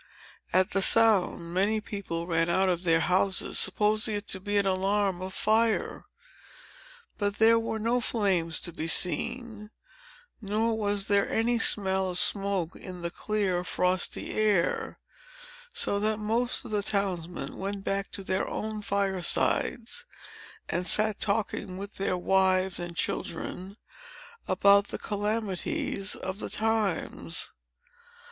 At the sound, many people ran out of their houses, supposing it to be an alarm of fire. But there were no flames to be seen; nor was there any smell of smoke in the clear, frosty air; so that most of the townsmen went back to their own fire sides, and sat talking with their wives and children about the calamities of the times.